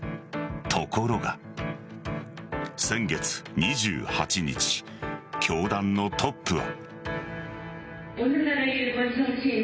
ところが先月２８日、教団のトップは。